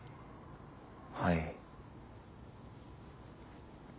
はい。